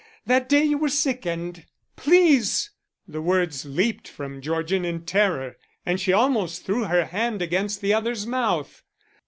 That day you were sick and " "Please!" The word leaped from Georgian in terror, and she almost threw her hand against the other's mouth.